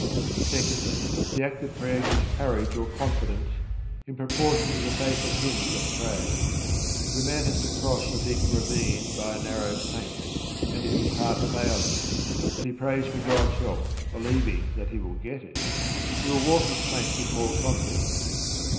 Secondly, the act of prayer gives courage or confidence, in proportion to the faith of him that prays. If a man has to cross a deep ravine by a narrow plank, and if his heart fail him, and he prays for God's help, believing that he will get it, he will walk his plank with more confidence.